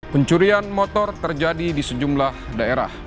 pencurian motor terjadi di sejumlah daerah